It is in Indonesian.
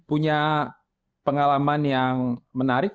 punya pengalaman yang menarik